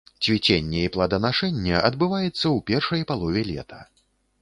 Цвіценне і плоданашэнне адбываецца ў першай палове лета.